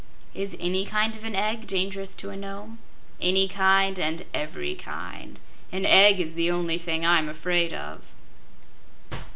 "Is any kind of an egg dangerous to a Nome?" "Any kind and every kind. An egg is the only thing I'm afraid of."